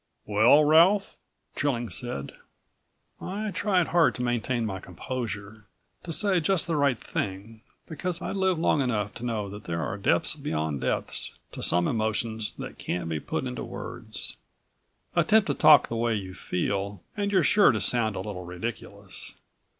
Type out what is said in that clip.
"Well, Ralph?" Trilling said. I tried hard to maintain my composure, to say just the right thing, because I'd lived long enough to know there are depths beyond depths to some emotions that can't be put into words. Attempt to talk the way you feel, and you're sure to sound a little ridiculous.